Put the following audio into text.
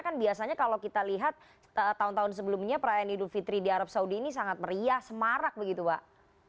kan biasanya kalau kita lihat tahun tahun sebelumnya perayaan idul fitri di arab saudi ini sangat meriah semarak begitu pak